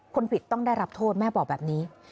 คนผิดต้องได้รับโทษแม่บอกแบบนี้